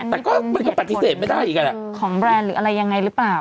แต่ก็มันก็ปฏิเสธไม่ได้อีกอ่ะของแบรนด์หรืออะไรยังไงหรือเปล่า